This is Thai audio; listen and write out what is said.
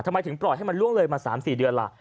ทำไมถึงปล่อยให้มันล่วงเลยมา๓๔เดือนล่ะ